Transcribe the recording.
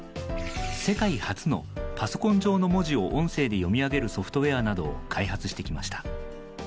世界初のパソコン上の文字を音声で読み上げるソフトウェアなどを開発してきました。